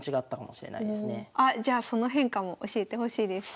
じゃあその変化も教えてほしいです。